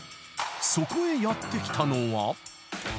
［そこへやって来たのは］